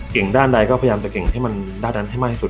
เก่งด้านใดก็พยายามจะเก่งด้านนั้นให้มากที่สุด